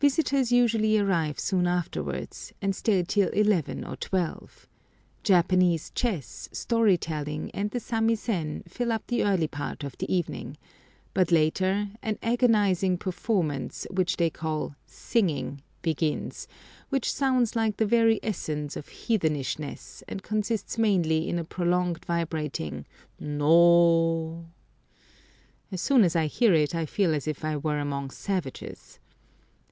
Visitors usually arrive soon afterwards, and stay till eleven or twelve. Japanese chess, story telling, and the samisen fill up the early part of the evening, but later, an agonising performance, which they call singing, begins, which sounds like the very essence of heathenishness, and consists mainly in a prolonged vibrating "No." As soon as I hear it I feel as if I were among savages.